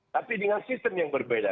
tapi dengan sistem yang berbeda